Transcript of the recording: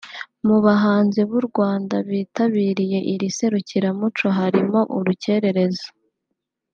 Mu bahanzi b’u Rwanda bitabiriye iri serukiramuco harimo Urukerereza